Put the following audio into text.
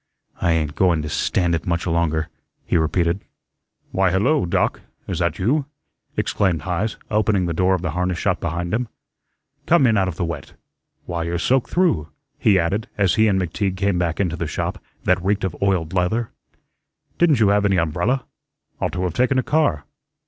"I ain't going to stand it much longer," he repeated. "Why, hello, Doc. Is that you?" exclaimed Heise, opening the door of the harness shop behind him. "Come in out of the wet. Why, you're soaked through," he added as he and McTeague came back into the shop, that reeked of oiled leather. "Didn't you have any umbrella? Ought to have taken a car."